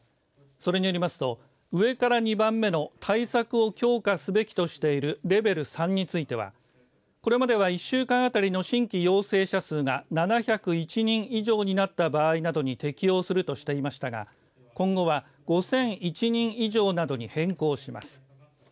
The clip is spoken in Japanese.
それによりますと上から２番目の対策を強化すべきとしているレベル３についてはこれまでは１週間あたりの新規陽性者数が７０１人以上になった場合などに適用するとしていましたが今後は５００１人以上などに変更します。